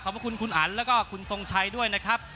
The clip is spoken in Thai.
ขอบคุณคุณอันแล้วก็คุณทรงชัยด้วยนะครับ